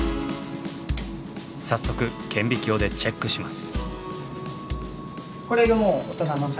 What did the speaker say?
早速顕微鏡でチェックします。